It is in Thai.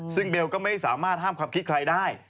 ซึ่งเบลก็ไม่สามารถห้ามความคิดใครได้